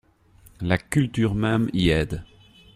La culture même y aide.